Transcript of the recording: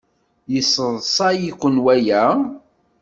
Yesseḍsay-iken waya?